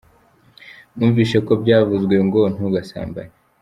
Mwumvise ko byavuzwe ngo ntugasambane